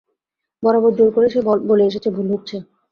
বরাবর জোর করে সে বলে এসেছে, ভুল হচ্ছে।